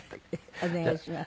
お願いします。